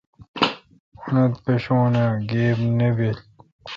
اونتھ پشون اؘ گیب نہ بیل۔